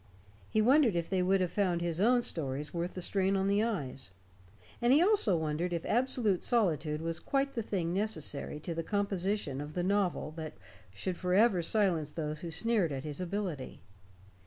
He wondered if they would have found his own stories worth the strain on the eyes. And he also wondered if absolute solitude was quite the thing necessary to the composition of the novel that should forever silence those who sneered at his ability.